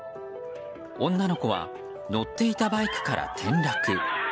女の子は乗っていたバイクから転落。